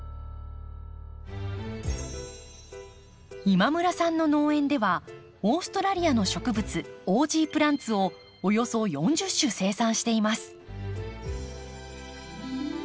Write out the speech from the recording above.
今村さんの農園ではオーストラリアの植物オージープランツをおよそ４０種生産しています。